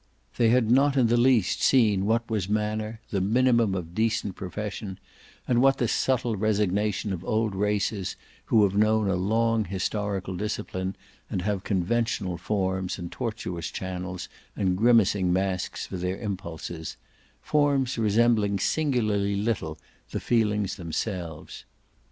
They had not in the least seen what was manner, the minimum of decent profession, and what the subtle resignation of old races who have known a long historical discipline and have conventional forms and tortuous channels and grimacing masks for their impulses forms resembling singularly little the feelings themselves.